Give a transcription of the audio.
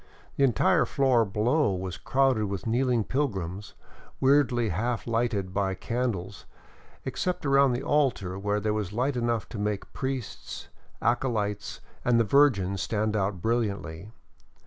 The entire floor below was crowded with kneeling pilgrims, weirdly half lighted by candles, except around the altar, where there was light enough to make priests, acolytes, and the Virgin stand out brilliantly.